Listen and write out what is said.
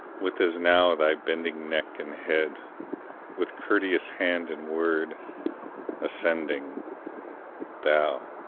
with as now thy bending neck and head, with courteous hand and word, ascending, Thou!